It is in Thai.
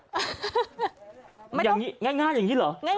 ง่ายอย่างนี้เหรอ